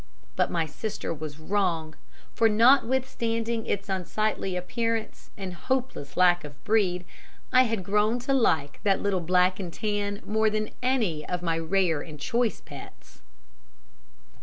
But my sister was wrong, for notwithstanding its unsightly appearance and hopeless lack of breed, I had grown to like that little black and tan more than any of my rare and choice pets."